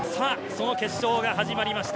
決勝が始まりました。